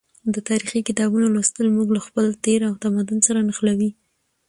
د تاریخي کتابونو لوستل موږ له خپل تیر او تمدن سره نښلوي.